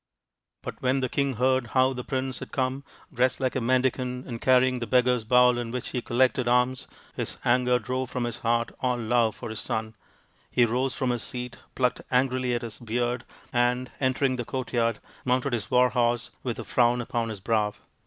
But when the king heard how the prince had come, dressed like a mendicant and carrying the beggar's bowl in which he collected alms, his anger drove from his heart all love for his son. He rose from his seat, plucked angrily at his beard, and, entering the courtyard, mounted his war horse with a frown upon his brow.